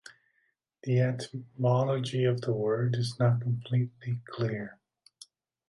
The etymology of the word is not completely clear.